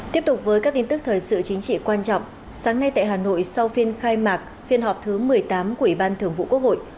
tiếp tục với các tin tức thời sự chính trị quan trọng sáng nay tại hà nội sau phiên khai mạc phiên họp thứ một mươi tám của ủy ban thường vụ quốc hội